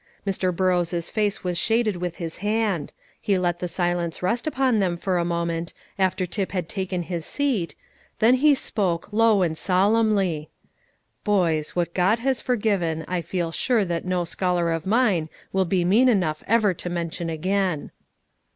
Mr. Burrows' face was shaded with his hand; he let the silence rest upon them for a moment, after Tip had taken his seat; then he spoke, low and solemnly, "Boys, what God has forgiven, I feel sure that no scholar of mine will be mean enough ever to mention again."